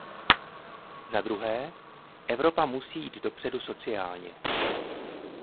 Zadruhé Evropa musí jít dopředu sociálně.